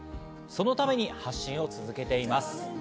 そのために発信を続けています。